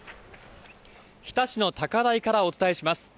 日田市の高台からお伝えします。